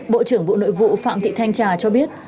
bộ trưởng bộ nội vụ phạm thị thanh trà cho biết